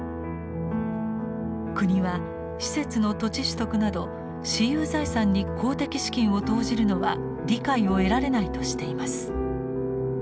国は施設の土地取得など私有財産に公的資金を投じるのは理解を得られないとしています。